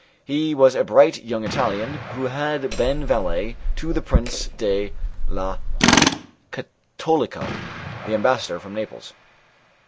He was a bright young Italian, who had been valet to the Prince de la Catolica, the ambassador from Naples.